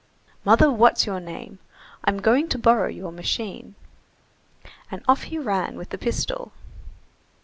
"Mother What's your name, I'm going to borrow your machine." And off he ran with the pistol.